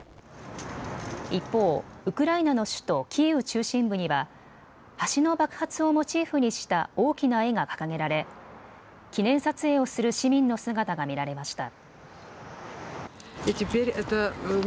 一方、ウクライナの首都キーウ中心部には橋の爆発をモチーフにした大きな絵が掲げられ記念撮影をする市民の姿が見られました。